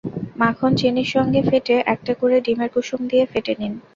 মাখন চিনির সঙ্গে ফেটে একটা করে ডিমের কুসুম দিয়ে ফেটে নিন।